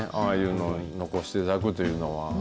ああいうのを残していただくというのは。